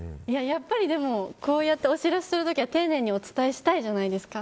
やっぱり、こうやってお知らせする時は丁寧にお伝えしたいじゃないですか。